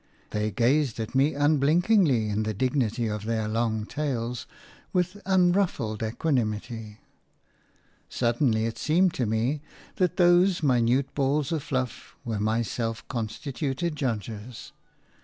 They gazed at me unblinkingly in the dignity of their long tails, with unruffled equanimity. Suddenly it seemed to me that those minute balls of fluff were my self constituted judges.